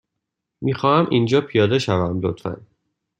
می خواهم اینجا پیاده شوم، لطفا.